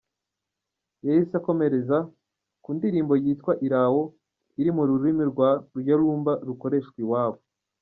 Yahise akomereza ku ndirimbo yitwa ’Irawo’ iri mu rurimi rwa Yoluba rukoreshwa iwabo.